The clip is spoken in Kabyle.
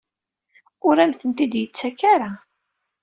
Ur am-tent-id-yettak ara?